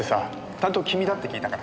担当君だって聞いたから。